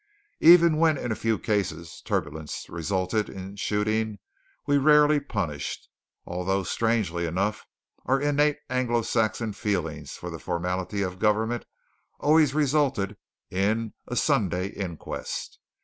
Even when, in a few cases, turbulence resulted in shooting, we rarely punished; although, strangely enough, our innate Anglo Saxon feeling for the formality of government always resulted in a Sunday "inquest."